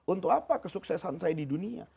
untuk apa kesuksesan saya di dunia